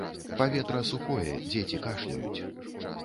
Паветра сухое, дзеці кашляюць.